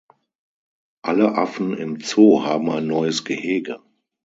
Alle Affen im Zoo haben ein neues Gehege.